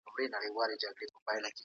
لمرین